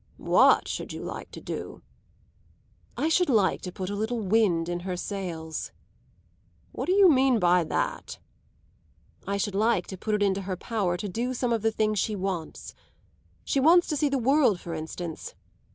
"What should you like to do?" "I should like to put a little wind in her sails." "What do you mean by that?" "I should like to put it into her power to do some of the things she wants. She wants to see the world for instance.